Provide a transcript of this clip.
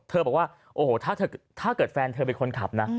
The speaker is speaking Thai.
บอกว่าโอ้โหถ้าเกิดแฟนเธอเป็นคนขับนะ